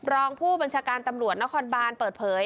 รองผู้บัญชาการตำรวจนครบานเปิดเผย